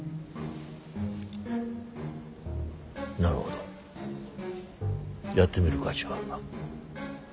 なるほどやってみる価値はあるな。